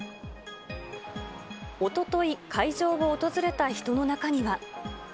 おととい、会場を訪れた人の中には。